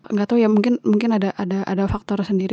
nggak tahu ya mungkin ada faktor sendiri